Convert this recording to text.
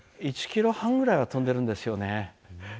１キロ半ぐらいは飛んでるんですよね。